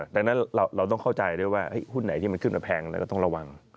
ดังนั้นเราต้องเข้าใจด้วยว่าหุ้นไหนที่มันขึ้นมาแพงเราก็ต้องระวัง